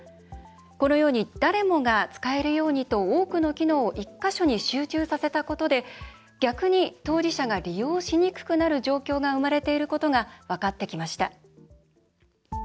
このように誰もが使えるようにと多くの機能を１か所に集中させたことで逆に、当事者が利用しにくくなる状況が生まれていることが分かってきました。